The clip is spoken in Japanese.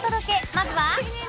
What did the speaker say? まずは。